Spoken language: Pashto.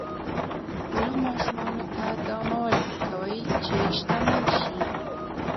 خپلو ماشومانو ته دا مه ور زده کوئ چې شتمن شي.